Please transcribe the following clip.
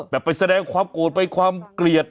ไปแสดงความโกรธไปความเกลียด